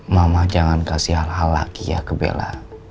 mama jangan kasih hal hal lagi ya ke bella